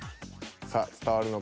さあ伝わるのか？